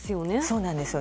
そうなんです。